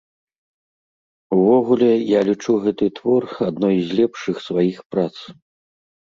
Увогуле, я лічу гэты твор адной з лепшых сваіх прац.